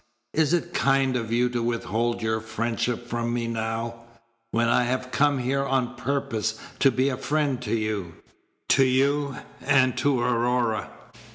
Is it kind of you to withhold your friendship from me now, when I have come here on purpose to be a friend to you to you and to Aurora?"